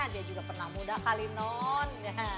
dia juga pernah muda kali non